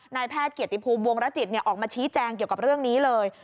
แพทย์เกียรติภูมิวงรจิตออกมาชี้แจงเกี่ยวกับเรื่องนี้เลย